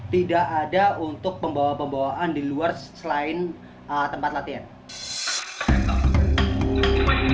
tidak ada untuk pembawa pembawaan di luar selain tempat latihan